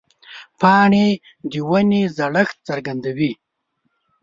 پاڼې د ونې زړښت څرګندوي.